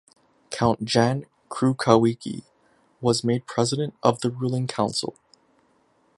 Count Jan Krukowiecki was made President of the Ruling Council.